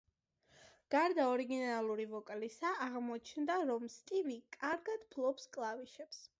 გარდა ორიგინალური ვოკალისა, აღმოჩნდა, რომ სტივი კარგად ფლობს კლავიშებს.